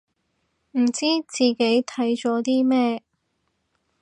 唔知自己睇咗啲咩